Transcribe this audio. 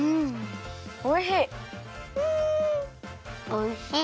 おいしい。